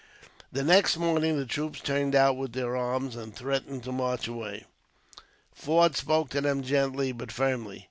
The next morning, the troops turned out with their arms, and threatened to march away. Forde spoke to them gently, but firmly.